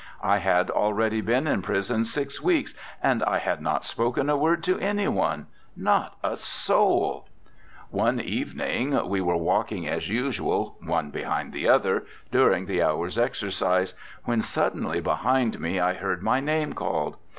I had already been in prison six weeks and I had not spoken a word to anyone not to a soul. 'One evening we were walking as usual, one behind the other, during the hour's exercise, when suddenly behind me I heard my name called.